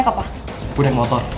kayaknya lo sebentar sih